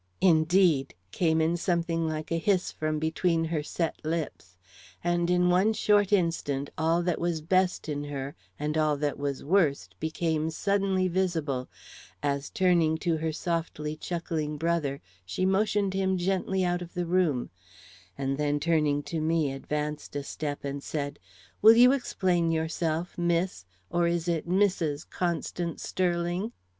"Indeed!" came in something like a hiss from between her set lips. And in one short instant all that was best in her and all that was worst became suddenly visible, as turning to her softly chuckling brother, she motioned him gently out of the room, and then turning to me, advanced a step and said: "Will you explain yourself, Miss or is it Mrs. Constance Sterling?"